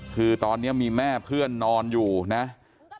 คือตอนนี้มีแม่เพื่อนนอนอยู่นะ